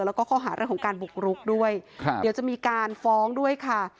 แล้วก็ข้อหาเรื่องของการบุกรุกด้วยครับเดี๋ยวจะมีการฟ้องด้วยค่ะ